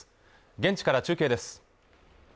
現地から中継です